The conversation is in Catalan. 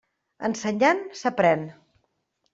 Ensenyant s'aprén.